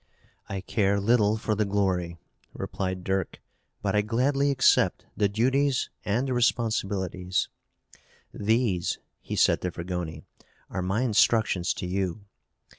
"I care little for the glory," replied Dirk, "but I gladly accept the duties and the responsibilities. These," he said to Fragoni, "are my instructions to you.